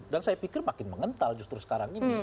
dan saya pikir makin mengental justru sekarang ini